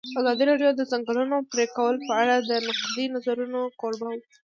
ازادي راډیو د د ځنګلونو پرېکول په اړه د نقدي نظرونو کوربه وه.